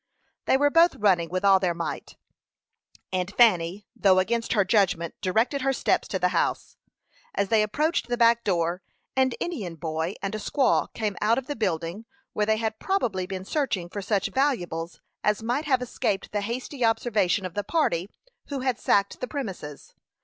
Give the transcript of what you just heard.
They were both running with all their might; and Fanny, though against her judgment, directed her steps to the house. As they approached the back door, an Indian boy and a squaw came out of the building, where they had probably been searching for such valuables as might have escaped the hasty observation of the party who had sacked the premises.